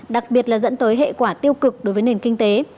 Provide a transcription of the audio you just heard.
đặc biệt là dẫn tới hệ quả tiêu cực đối với nền kinh tế